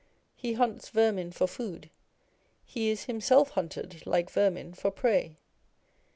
He hunts vermin for food : lie is himself hunted like vermin for prey.